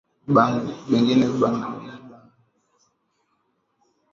Bengine abaya pata bintu biabo bia kwanza nabio kurima